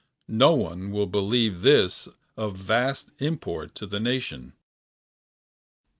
No one will believe this of vast import to the nation.